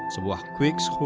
sebuah quick school